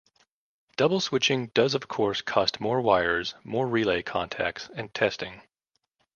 Double switching does of course cost more wires, more relay contacts, and testing.